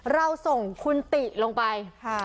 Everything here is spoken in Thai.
เราส่งคุณติลงไป